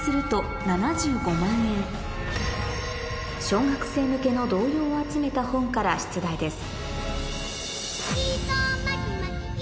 小学生向けの童謡を集めた本から出題です